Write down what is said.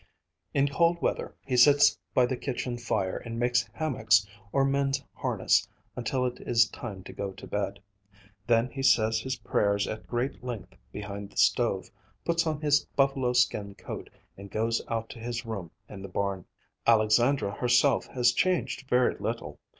In cold weather he sits by the kitchen fire and makes hammocks or mends harness until it is time to go to bed. Then he says his prayers at great length behind the stove, puts on his buffalo skin coat and goes out to his room in the barn. Alexandra herself has changed very little.